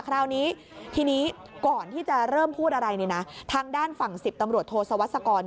คราวนี้ทีนี้ก่อนที่จะเริ่มพูดอะไรเนี่ยนะทางด้านฝั่ง๑๐ตำรวจโทสวัสกร